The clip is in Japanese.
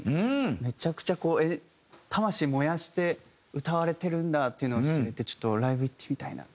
めちゃくちゃこう魂燃やして歌われてるんだっていうのを知れてちょっとライブ行ってみたいな。